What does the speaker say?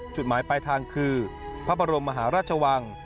จุดหมายปลายทางคือพระบรมมหาราชวัง